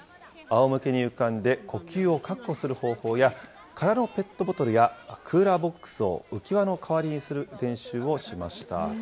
あおむけに浮かんで、呼吸を確保する方法や、空のペットボトルやクーラーボックスを浮き輪の代わりにする練習をしました。